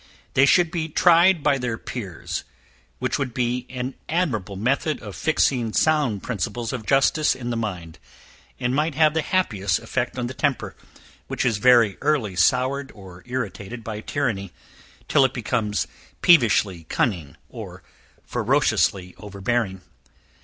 They should be tried by their peers, which would be an admirable method of fixing sound principles of justice in the mind, and might have the happiest effect on the temper, which is very early soured or irritated by tyranny, till it becomes peevishly cunning, or ferociously overbearing.